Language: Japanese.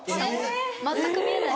全く見えない